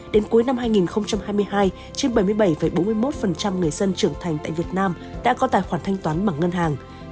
đến cuối năm hai nghìn hai mươi hai trên bảy mươi bảy bốn mươi một người dân trưởng thành tại việt nam đã có tài khoản thanh toán bằng ngân hàng